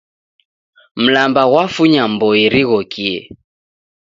Mlamba ghwafunya mboi righokie.